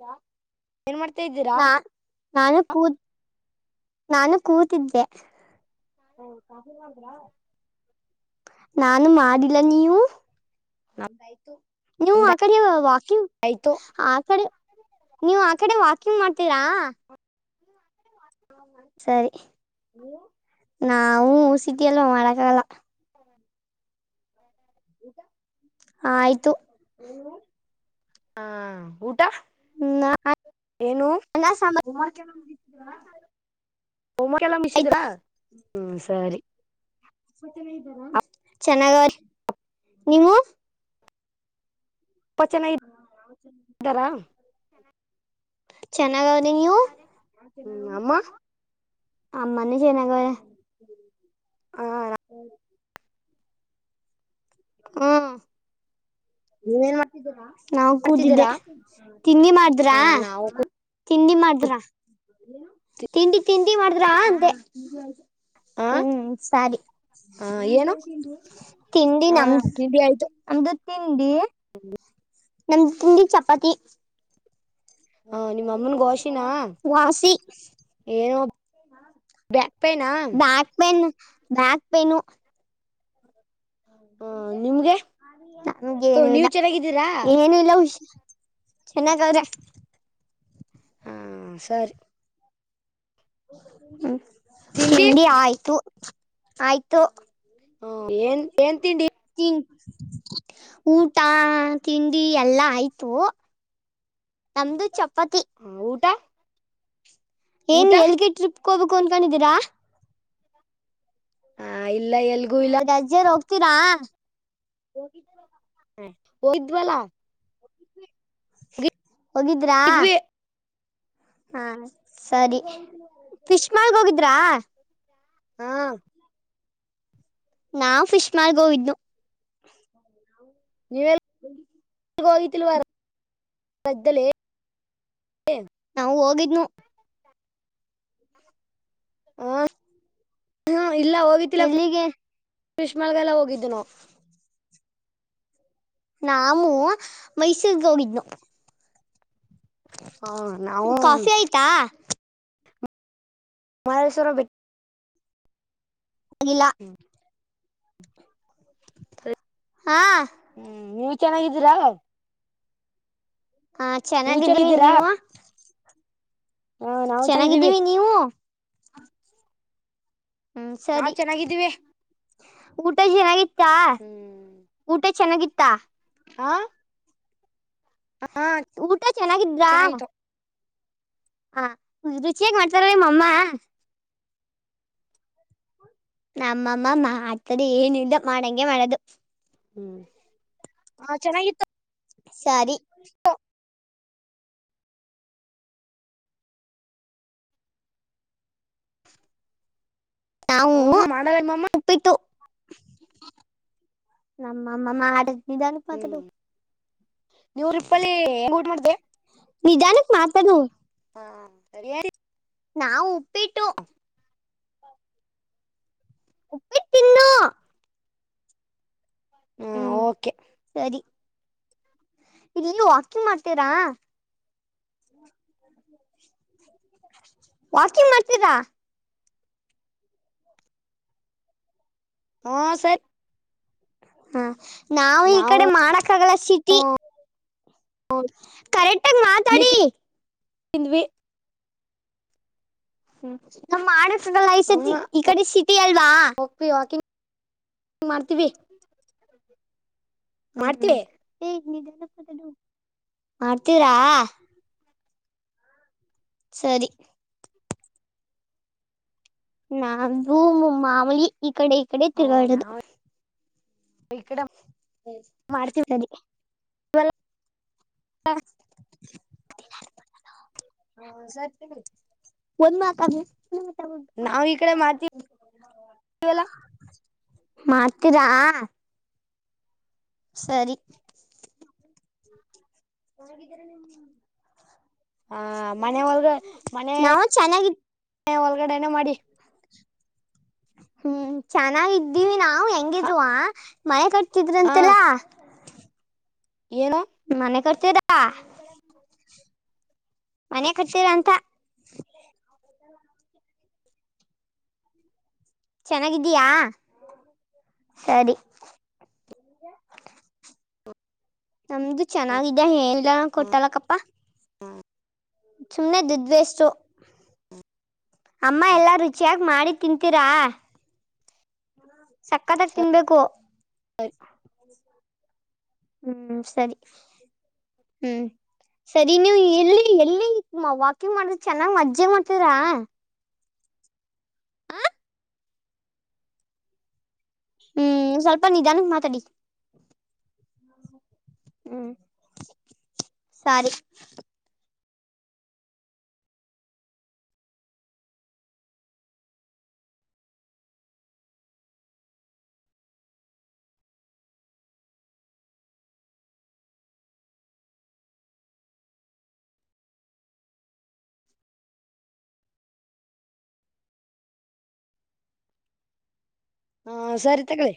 ರ ಏನ್ ಮಾಡ್ತಾ ಇದ್ದೀರಾ ನಾ ನಾನು ಕೂ. ನಾನು ಕೂತಿದ್ದೆ ಒಹ್ ಕಾಫ್ಫ್ ಮಾಡಿದ್ರ. ನಾನು ಮಾಡಿಲ್ಲ ನೀವು ನಮ್ದ್ ಆಯ್ತು ನೀವು ನಮ್ದ ಆ ಕಡೆ ವಾಕಿಂಗ್ ಆಯ್ತು ಆ ಕಡೆ ನೀವು ಆ ಕಡೆ ವಾಕ್ ವಾಕಿಂಗ್ ಮಾಡ್ತೀರಾ. ಸರಿ ನೀವು ನವು ಸ್ವಿಗ್ಗಿ ಎಲ್ಲ ಮಾಡಕ್ ಆಗಲ್ಲ. ಊಟ ಆಯ್ತು ನಿಮ್ದು. ಹಾ ಊಟ. [unintelligible] ಏನು ಅನ್ನ ಸಾಂಬಾರ್. [unintelligible] [unintelligible] ಆಯ್ತು ಹ್ಮ್ ಸರಿ ಚೆನ್ನಾಗಿ ಅವ್ರೆ ನೀವು. ಅಪ್ಪ ಚೆನ್ನ ಇದ್ದಾರಾ. ಚನಾಗ್. ಚನ್ [unintelligible] ನೀವು ನಾವ್ ಚನಾಗ್ ಹ್ಮ್ ಅವೇ. ಅಮ್ಮ ಅಮ್ಮನು ಚೆನ್ನಾಗ್ ಅವ್ರೆ. ಹ ಹ್ಮ. ಹಾ. ನೀವೇನ್ [unintelligible] ನಾವು ಕೂತಿದ್ದೆ ಮಾಡ್ತಿದ್ದೀರಾ ತಿಂಡಿ ಮಾಡಿದ್ರಾ. ಹ ನಾವು ತಿಂಡಿ ಮಾಡ್ದ್ರ ಕೂತಿ ತಿಂಡಿ. ತಿಂಡಿ ಮಾಡ್ದ್ರಾ ಅಂದೆ ಹ ಹ್ಮ್ ಸರಿ ಹ ಏನು ತಿಂಡಿ ಹ ನಮ್ದ ತಿಂಡಿ ಆಯ್ತು ನಮ್ದು ತ್ ತಿಂಡಿ. ನಮ್ದು ತಿಂಡಿ ಚಪಾತಿ. ಹ ನಿಮ್ಮ ಅಮ್ಮನ್ ಗೋಶಿನ [unintelligible] ವಾಸಿ. ಏನೋ ಬ್ಯಾಕ್ ಪೈನಾ ಬ್ಯಾಕ್ ಪೈನ್. Back pain. ಹ ನಿಮ್ಗೆ ನಮ್ಗೆನು ನೀವ್ ಇಲ್ಲ ಚೆನ್ನಾಗಿದ್ದೀರಾ ಏನು ಇಲ್ಲ ಉಶ್. ಚೆನ್ನಾಗವ್ರೆ. ಹಾ ಸರ್. ಹ್ಮ. ತಿಂಡಿ ಆಯ್ತು. ಆಯ್ತು. ಹೂ ಏನ್ ಏನ್ ತಿಂಡಿ. ತಿನ್ ಊಟ ತಿಂಡಿ ಎಲ್ಲಾ ಆಯ್ತು ನಮ್ದು ಚಪ್ ಪತಿ. ಊಟ ಏನ್ ಊಟ ಎಲ್ಗೆ ಟ್ರಿಪ್ಗ್ ಹೋಗ್ಬಕ್. ಕುನ್ಕೊಂಡಿದ್ದೀರಾ. ಹ ಇಲ್ಲ ಎಲ್ಗೂ ಇಲ್ಲ ಅ ರಜ್ಜೆರ್ ಹೋಗ್ತೀರಾ. ಹೋಗಿದ್ವಲ. ಹ್ಮ್ ಒಯಿದ್ವಲ್ಲ. [inaudible] ಹೋಗಿದ್ರಾ. ಹೋಗಿದ್ವಿ ಹಾ ಸರಿ ಫಿಷ್ಮಾಲ್ ಹೋಗಿದ್ರಾ. ಹಾ. ನಾ ಫಿಶ್ಮಾಲ್ ಗೋವಿದ್ ನು. ನೀವೆಲ್. ಗೋಯಿತಿಲ್ವಾರ [unintelligible] ನಾವು ಹೋಗಿದ್ನು. [unintelligible] ಇಲ್ಲ ಹೋಗಿತಿಲ್ಲ ಫಿ ಎಲ್ಲಿಗೆ ಫಿಷ್ಮಾಲ್ಗೆಲ್ಲ ಹೋಗಿದ್ ನಾವು. ನಾವು ಮೈಸೂರ್ಗೋಗಿದ್ನು. ಹ ನಾವು ಕಾಫಿ ಆಯ್ತಾ. ಮಹಳೇಶ್ವರ ಬೆಟ್. ಇಲ್ಲ. ಹಾ. ಹ್ಮ್ ನೀವ್ ಚೆನ್ನಾಗಿದ್ದೀರಾ. ಹಾ ನೀವ್ ಚೆನ್ನಾಗಿದ್ದೀವಿ ಚೆನ್ನಾಗಿದ್ದೀರಾ ನೀವು. ಹ ನಾವು ಚೆನ್ನಾಗಿದ್ದೀವಿ ನೀವು. ಹ್ಮ್ ನಾವ್ ಸರಿ ಚೆನ್ನಾಗಿದ್ದೀವಿ ಊಟ ಚೆನ್ನಾಗಿತ್ತಾ ಊಟ. ಚೆನ್ನಾಗಿತ್ತ. ಹ ಊಟ ಚೆನಾಗಿದ್ರಾ. ಚೆನ್ನಾಗಿತ್ತು ಹ ರುಚಿಯಾಗ ಮಾಡ್ತಾರ ನಿಮ್ಮಮ್ಮ. ನಮ್ಮಮ್ಮಮ್ಮ ಮಾಡ್ತದೆ ಏನಿ [unintelligible] ಮಾಡಂಗೆ ಮಾಡೋದು. ಹ್ಮ್ ಆ ಚೆನ್ನಾಗಿತ್ತು. ಸರಿ. ನಾವು ಹ ಮಾಡಲ್ಲ ನಿಮ್ಮಮ್ಮ ಉಪ್ಪಿಟ್ಟು. ನಮ್ಮಮ್ಮ ಮಾಡ ನಿಧಾನಕ್ ಮಾತಡು. ನೂರಪಯ್ಲಿ ನಿಧಾನಕ್ ಮಾತಾಡು [unintelligible] [unintelligible] ನಾವು ಉಪ್ಪಿಟ್ಟು ಉಪ್ಪಿಟ್ಟ್ ತಿನ್ನು. ಹ್ಮ ಹ್ಮ್ ಓಕೆ. ಸರಿ ಇಲ್ಲಿ ವಾಕಿಂಗ್ ಮಾಡ್ತೀರಾ ವಾಕಿಂಗ್ ಮಾಡ್ತೀರ. ಹಾ ಸರಿ. ಹಾ ನಾವು ಈ ಕಡೆ ಮಾಡಕ್ಕಾಗಲ್ಲ ಸಿಟಿ. ಕರೆಕ್ಟಾಗಿ ಇಡ್ಲಿ ಮಾತಾಡಿ. ತಿಂದ್ವಿ. ಹ್ಮ ಹ [unintelligible] [unintelligible] ಈ ಕಡೆ ಸಿಟಿ ಅಲ್ವಾ. ಹೋಗ್ತೀವಿ ವಾಕಿಂಗ್ ಮಾಡ್ತೀವಿ. ಹ್ಮ್ ಮಾಡ್ತೀವಿ ಹ್ಮ್ ಹ್ಮ್. [unintelligible] ಮಾಡ್ತೀರಾ. ಸರಿ. [unintelligible] ಮಾಮೂಲಿ ಈ ಕಡೆ ಈ ಕಡೆ ಹ ತಿರುಗಾಡದು ನಾವು ಈ ಕಡೆ [unintelligible] ಮಾಡ್ತೀವಲ್ಲ ಸರಿ. [unintelligible] [unintelligible] ಒಂದು ಮಾತಾಡು. ನಾವ್ ಈ ಕಡೆ [unintelligible] ಅಲ್ಲ. ಮಾತ್ತ್ರ. ಸರಿ. ಚೆನ್ನಾಗಿದ್ದಾರ ಆ [unintelligible] ಮನೆ ಚೆನ್ನಾಗಿದ್ದೀರಾ ಒಳಗ ನೀವು ನಾವ್ ಚೆನ್ನಾಗಿ ಏ ಒಳಗಡೆ. ನೆ ಮಾಡಿ. ಹ್ಮ್ ಚೆನ್ನಾಗಿದ್ದೀವಿ ನಾ ಆ ಹ ಹೆಂಗಿದ್ರುವ ಮಳೆ ಕಟ್ತಿದ್ರಂತೆಲ್ಲಾ. ಏನೋ. ಮನೆ ಕಟ್ತೀರಾ. ಮನೆ ಕಟ್ತಿರಂತ. ಚೆನ್ನಾಗಿದ್ದೀಯಾ ಸರಿ ನಮ್ದು ಚೆನ್ನಾಗಿದೆ ಹೇಳ ಕೊಟ್ಟಲಕ್ಕಪ್ಪ. ಹ್ಮ ಸುಮ್ಮನೆ ದುದ್ ವೇಷ್ಟು ಅಮ್ಮ ಎಲ್ಲಾ ರುಚಿಯಾಗಿ ಮಾಡಿ ತಿಂತೀರಾ. ಸಕ್ಕತ್ತಾಗ ತಿನ್ಬೇಕು. [inaudible] ಹ್ಮ್ ಹ್ಮ್ ಸರಿ ಹ್ಮ್ ಸರಿ ನೀವು ಎಲ್ಲಿ ಎಲ್ಲಿ ಮ ವಾಕಿಂಗ್ ಮಾಡ ಚೆನ್ನಾಗ್ ಮಜ್ಜಾ ಮಾಡ್ತಿರ. ಹ್ಮ್ ಸ್ವಲ್ಪ ನಿಧಾನಕ್ ಮಾತಾಡಿ. ಹ್ಮ್ ಸರಿ. ಹಾ ಸರಿ ತಗಳಿ.